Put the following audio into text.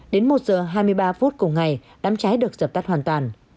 đến một giờ hai mươi ba phút cùng ngày đám cháy được dập tắt hoàn toàn